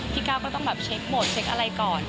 พี่ก้าวก็ต้องแบบเช็คบทเช็คอะไรก่อน